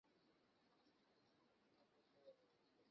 সেদিক থেকে রাজনৈতিকভাবে বাংলাদেশের ভাবনার কিছু নেই বলেই মনে হয়।